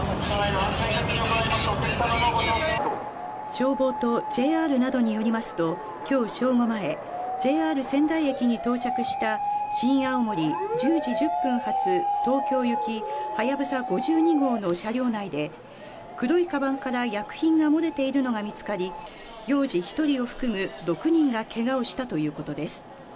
消防とＪＲなどによりますと、きょう正午前、ＪＲ仙台駅に到着した、新青森１０時１０分発、東京行きはやぶさ５２号の車両内で、黒いかばんから薬品が漏れているのが見つかり、幼児１人を含む６人がけがをしたということです。